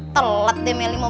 telat deh meli mau buka kamarnya